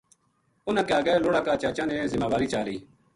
اُنھاں کے اَگے لُڑا کا چاچاں نے ذماواری چا لئی